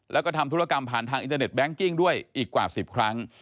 แล้วก็ทำธุรกรรมผ่านทางอินเทอร์เน็งกิ้งด้วยอีกกว่า๑๐ครั้ง